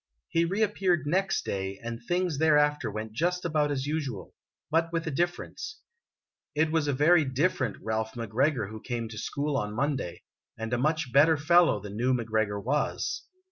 He reappeared next day, and things thereafter went just about as usual but with a difference. It was a very different Ralph McGregor who came to school on Monday and a much better fellow the new McGregor was.